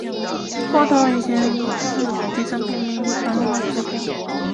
窝头以前是底层平民常用的食品。